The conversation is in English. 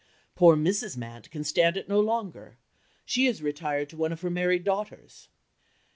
Poor Mrs. Mant can stand it no longer; she is retired to one of her married daughters."